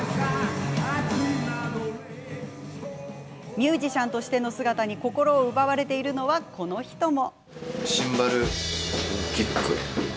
ミュージシャンとしての姿に心奪われているのは、この人も。